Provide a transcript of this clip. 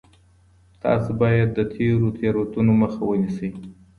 تاسو بايد د تېرو تېروتنو مخه ونيسئ.